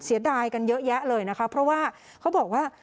เสียดายกันเยอะแยะเลยนะคะเพราะว่าเขาบอกว่า